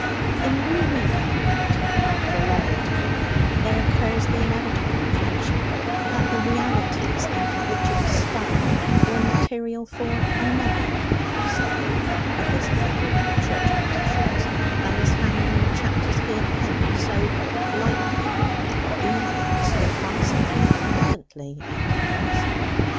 In rereading the narrative after a long interval there occurs the inevitable reflection that the realities out of which it was spun were material for another kind of study of this little group of church musicians than is found in the chapters here penned so lightly, even so farcically and flippantly at times.